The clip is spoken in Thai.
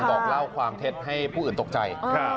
บอกเล่าความเท็จให้ผู้อื่นตกใจ